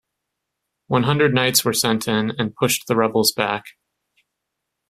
One hundred knights were sent in, and pushed the rebels back.